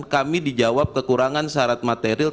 kami dijawab kekurangan syarat material